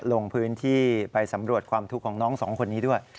ลงพื้นที่ไปสำรวจความทุกข์ของน้องสองคนนี้ด้วย